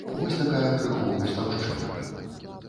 Вось такая крыху густаўшчына.